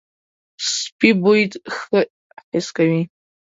سپي بوی ښه حس کوي.